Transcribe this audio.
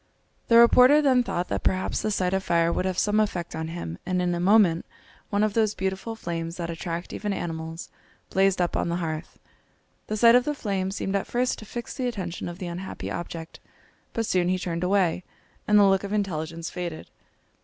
The reporter then thought that perhaps the sight of fire would have some effect on him, and in a moment one of those beautiful flames, that attract even animals, blazed up on the hearth. The sight of the flame seemed at first to fix the attention of the unhappy object, but soon he turned away and the look of intelligence faded.